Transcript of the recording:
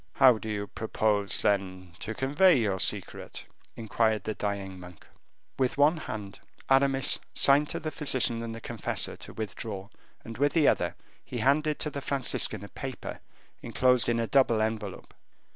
"How do you propose, then, to convey your secret?" inquired the dying monk. With one hand Aramis signed to the physician and the confessor to withdraw, and with the other he handed to the Franciscan a paper enclosed in a double envelope.